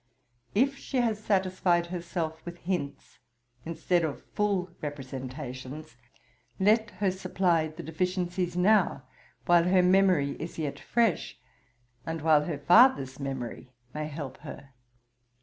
If she has satisfied herself with hints, instead of full representations, let her supply the deficiencies now while her memory is yet fresh, and while her father's memory may help her.